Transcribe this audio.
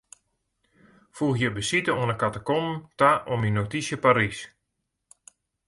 Foegje besite oan 'e katakomben ta oan myn notysje Parys.